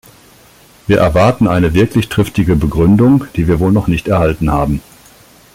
Wir erwarten eine wirklich triftige Begründung, die wir wohl noch nicht erhalten haben.